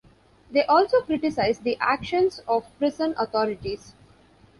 They also criticize the actions of prison authorities.